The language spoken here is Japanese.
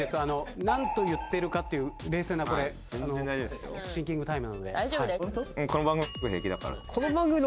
何と言ってるかっていう冷静なシンキングタイムなので。